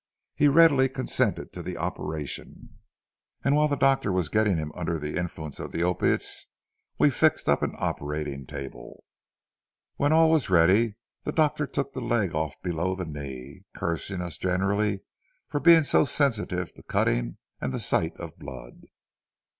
He readily consented to the operation, and while the doctor was getting him under the influence of opiates we fixed up an operating table. When all was ready, the doctor took the leg off below the knee, cursing us generally for being so sensitive to cutting and the sight of blood.